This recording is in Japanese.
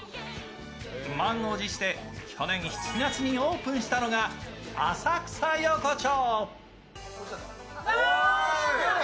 満を持して去年７月にオープンしたのが浅草横町。